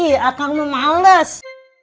ih akan mau males